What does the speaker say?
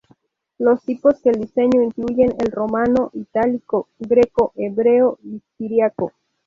Los tipos que el diseñó incluyen el romano, itálico, greco, hebreo y siriaco.